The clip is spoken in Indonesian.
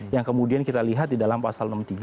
yang kemudian kita lihat di dalam pasal enam puluh tiga